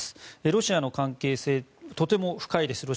ロシアとの関係性とても深いです。